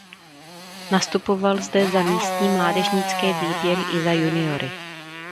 Nastupoval zde za místní mládežnické výběry i za juniory.